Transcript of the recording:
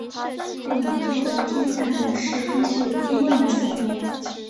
你作为天下名士必须有坚定的信念！